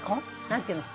何て言うの？